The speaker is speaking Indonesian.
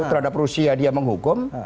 terhadap rusia dia menghukum